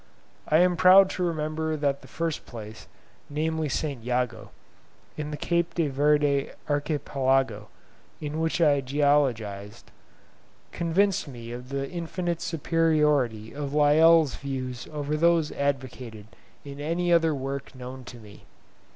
I am proud to remember that the first place, namely, St. Jago, in the Cape de Verde archipelago, in which I geologised, convinced me of the infinite superiority of Lyell's views over those advocated in any other work known to me.